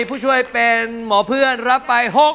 ผู้ช่วยเป็นหมอเพื่อนรับไป๖๐๐